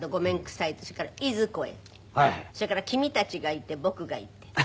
それから「君たちがいて僕がいて」。